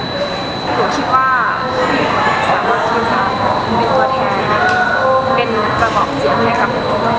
ผมคิดว่าสามารถที่จะมีตัวเองเป็นรุ่นจะบอกเสียงนะครับ